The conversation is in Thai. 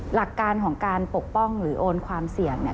หลักการของการปกป้องหรือโอนความเสี่ยงเนี่ย